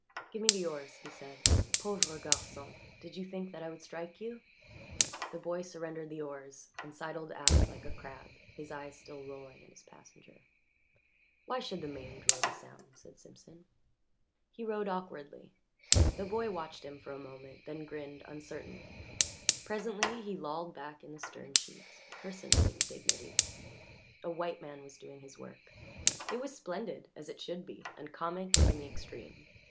"Give me the oars," he said. "Pauvre garçon did you think that I would strike you?" The boy surrendered the oars and sidled aft like a crab, his eyes still rolling at his passenger. "Why should the maimed row the sound?" said Simpson. He rowed awkwardly. The boy watched him for a moment, then grinned uncertainly; presently he lolled back in the stern sheets, personating dignity. A white man was doing his work it was splendid, as it should be, and comic in the extreme.